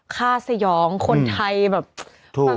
สยองคนไทยแบบ